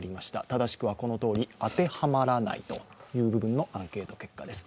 正しくは、このとおり「当てはまらない」というアンケート結果です。